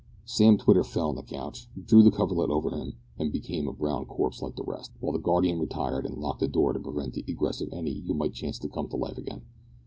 Sam Twitter fell on the couch, drew the coverlet over him, and became a brown corpse like the rest, while the guardian retired and locked the door to prevent the egress of any who might chance to come to life again.